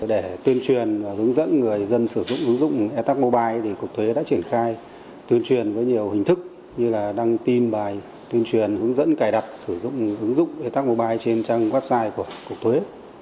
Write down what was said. để tuyên truyền và hướng dẫn người dân sử dụng ứng dụng e tac mobile thì cục thuế đã triển khai tuyên truyền với nhiều hình thức như là đăng tin bài tuyên truyền hướng dẫn cài đặt sử dụng ứng dụng e tac mobile trên trang website của cục thuế